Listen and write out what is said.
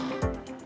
jalan jalan men